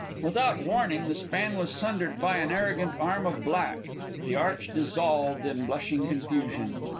Without warning the span was sundered by an arrogant arm of black. The arch dissolved in blushing confusion.